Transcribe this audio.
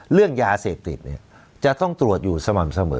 เรื่องยาเสพติดจะต้องตรวจอยู่สม่ำเสมอ